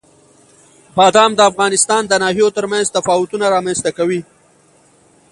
بادام د افغانستان د ناحیو ترمنځ تفاوتونه رامنځته کوي.